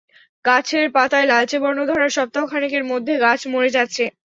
গাছের পাতায় লালচে বর্ণ ধরার সপ্তাহ খানেকের মধ্যে গাছ মরে যাচ্ছে।